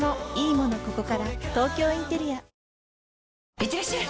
いってらっしゃい！